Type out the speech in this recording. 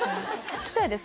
聞きたいです